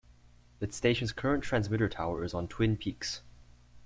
The station's current transmitter tower is on Twin Peaks.